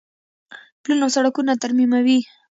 پلونه او سړکونه ترمیموي.